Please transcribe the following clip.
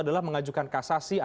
tidak kitaankugung dengan itu